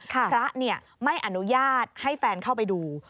พระไม่อนุญาตให้แฟนเข้าไปดู